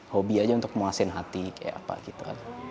hobi aja untuk memuaskan hati kayak apa gitu